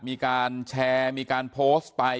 มีการแชร์มีการโพสต์ไป